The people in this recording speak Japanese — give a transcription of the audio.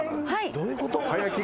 どういうこと？